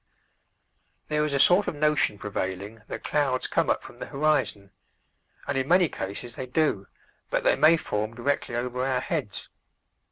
There is a sort of notion prevailing that clouds come up from the horizon, and in many cases they do, but they may form directly over our heads.